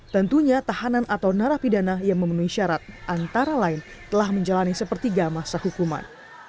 tentunya tahanan atau narapidana yang memenuhi syarat antara lain telah menjalani sepertiga masa hukuman